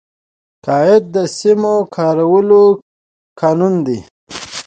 قاعده د سمو کارولو قانون دئ.